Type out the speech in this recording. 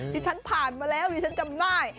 ที่ฉันผ่านมาแล้วที่ฉันจำน่าย